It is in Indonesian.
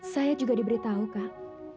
saya juga diberitahu kak